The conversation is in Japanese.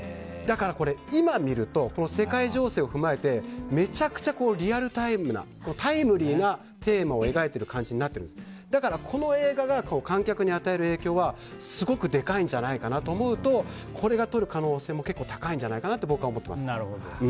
だから、今見ると世界情勢を踏まえてめちゃくちゃリアルタイムなタイムリーなテーマを描いている感じになっていてだからこの映画が観客に与える影響はすごくでかいんじゃないかと思うとこれがとる可能性も結構高いと僕は思っています。